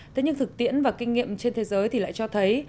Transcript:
thế nhưng thực tiễn và kinh nghiệm trên thế giới thì lại cho thấy